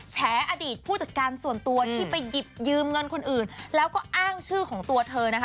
แฉอดีตผู้จัดการส่วนตัวที่ไปหยิบยืมเงินคนอื่นแล้วก็อ้างชื่อของตัวเธอนะคะ